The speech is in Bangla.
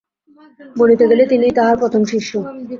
বলিতে গেলে তিনিই তাঁহার প্রথম শিষ্যা।